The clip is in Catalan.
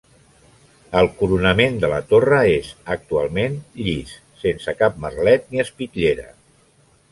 El coronament de la torre és, actualment, llis, sense cap merlet ni espitllera.